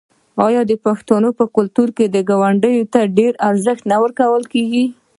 آیا د پښتنو په کلتور کې ګاونډي ته ډیر ارزښت نه ورکول کیږي؟